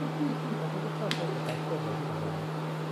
แต่คุณก็เพลิดเพลินกับการเคลื่อนไหวที่หลากหลาย